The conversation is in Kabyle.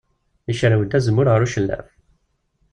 Icerrew-d azemmur ɣer ucellaf.